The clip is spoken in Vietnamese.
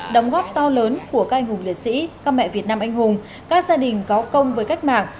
đóng góp to lớn của các anh hùng liệt sĩ các mẹ việt nam anh hùng các gia đình có công với cách mạng